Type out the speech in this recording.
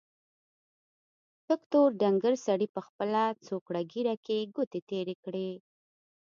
تک تور ډنګر سړي په خپله څوکړه ږيره کې ګوتې تېرې کړې.